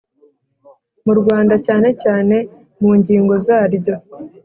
mu Rwanda cyane cyane mu ngingo zaryo